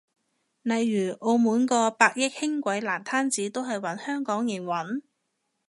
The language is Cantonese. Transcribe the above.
例如澳門個百億輕軌爛攤子都係搵港鐵營運？